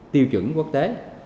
tiêu chuẩn quốc tế